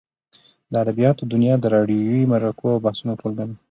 د ادبیاتو دونیا د راډیووي مرکو او بحثو ټولګه ده.